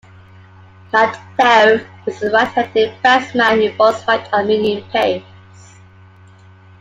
Latouf is a right-handed batsman who bowls right-arm medium pace.